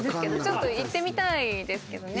ちょっと行ってみたいですけどね。